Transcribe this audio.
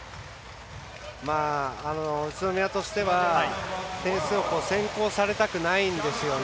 宇都宮としては点数を先行されたくないんですよね。